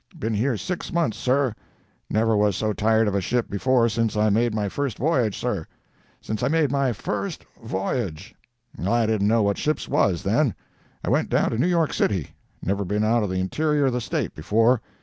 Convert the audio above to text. Been here six months sir. Never was so tired of a ship before since I made my first voyage, sir. Since I made my first voyage. I didn't know what ships was then. I went down to New York City; never been out of the interior of the State before.